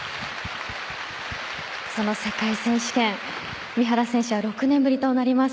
その世界選手権三原選手は６年ぶりとなります。